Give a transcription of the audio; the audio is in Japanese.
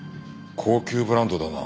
高級ブランドだな。